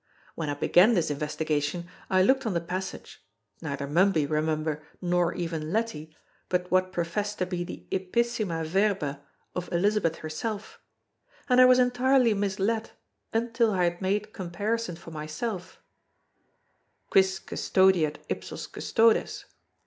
When I began this investigation, I looked on the passage neither Mumby, remember, nor even Leti, but what professed to be the ipsissima verba of Elizabeth herself and I was entirely misled until I had made comparison for myself _Quis custodiet ipsos custodes?